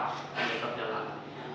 dan dia terjalan